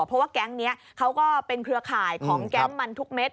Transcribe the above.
เพราะว่าแก๊งนี้เขาก็เป็นเครือข่ายของแก๊งมันทุกเม็ด